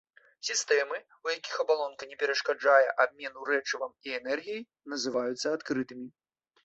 Сістэмы, у якіх абалонка не перашкаджае абмену рэчывам і энергіяй, называюцца адкрытымі.